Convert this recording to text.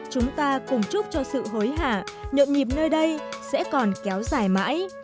chúng ta cùng chúc cho sự hối hả nhộn nhịp nơi đây sẽ còn kéo dài mãi